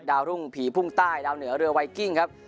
รุ่งผีพุ่งใต้ดาวเหนือเรือไวกิ้งครับ